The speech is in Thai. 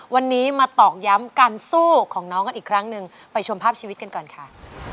วันนี้มาตอกย้ำการสู้ของน้องกันอีกครั้งหนึ่งไปชมภาพชีวิตกันก่อนค่ะ